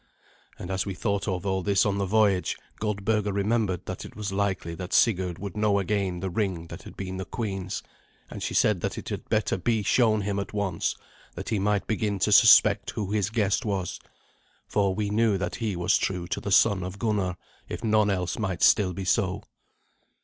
And as we thought of all this on the voyage, Goldberga remembered that it was likely that Sigurd would know again the ring that had been the queen's, and she said that it had better be shown him at once, that he might begin to suspect who his guest was. For we knew that he was true to the son of Gunnar, if none else might still be so.